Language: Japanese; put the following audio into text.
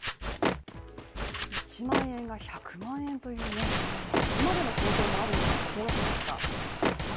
１万円が１００万円というね、そこまでの高騰もあるのかと驚きました。